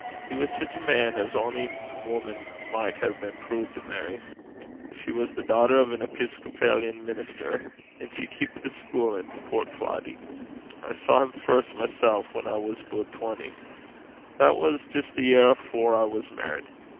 He was sic a man as ony woman micht hae been prood to merry. She was the dother (daughter) o' an episcopalian minister, and she keepit a school in Portcloddie. I saw him first mysel' whan I was aboot twenty that was jist the year afore I was merried.